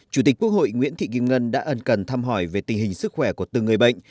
chủ tịch quốc hội nguyễn thị kim ngân đã ẩn cần thăm hỏi về tình hình sức khỏe của từng người bệnh